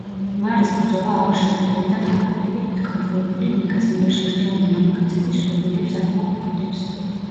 მარის ბრძოლა აღარ შეუძლია და ნარკოტიკებით გაბრუებული ნიკას მიერ შერჩეული მამაკაცების სურვილებს აკმაყოფილებს.